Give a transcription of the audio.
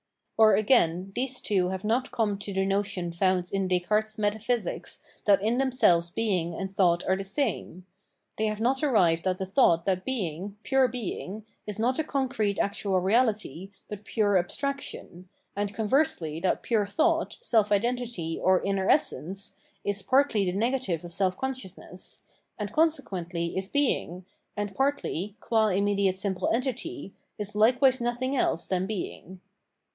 Or again, these two have not come to the notion found in Descartes' metaphysics that in themselves being and thought are the same; they have not arrived at the thought that being, pure being, is not a concrete actual reality, but pure abstraction, and conversely that pure thought, self identity or inner essence, is partly the negative of self consciousness, and consequently is being, and partly, qua immediate simple entity, is 687 The Result of Enlightenment likewise notlimg else than being.